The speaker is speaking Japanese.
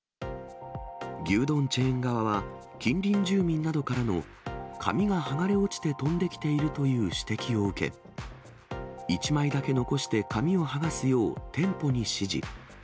牛丼チェーン側は、近隣住民などからの紙が剥がれ落ちて飛んできているという指摘を受け、１枚だけ残して紙を剥がすよう、店舗に指示。